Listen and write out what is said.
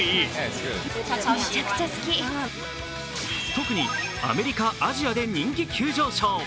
特にアメリカ、アジアで人気急上昇。